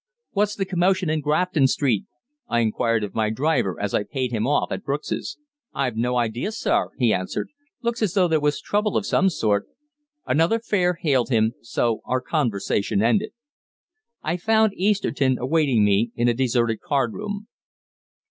"What's the commotion in Grafton Street?" I inquired of my driver as I paid him off at Brooks's. "I've no idea, sir," he answered. "Looks as though there was trouble of some sort." Another fare hailed him, so our conversation ended. I found Easterton awaiting me in a deserted card room.